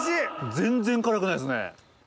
全然辛くないですね。